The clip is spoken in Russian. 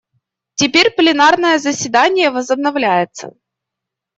Теперь пленарное заседание возобновляется.